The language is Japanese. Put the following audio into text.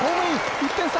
１点差！